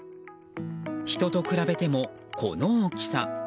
人と比べても、この大きさ。